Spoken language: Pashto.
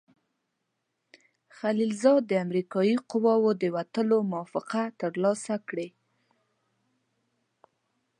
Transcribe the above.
خلیلزاد د امریکایي قواوو د وتلو موافقه ترلاسه کړې.